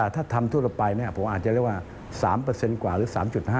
ถ้าทำทั่วไปผมอาจจะเรียกว่า๓กว่าหรือ๓๕